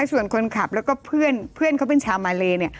ส่วนคนขับแล้วก็เพื่อนเขาเป็นชาวมาเล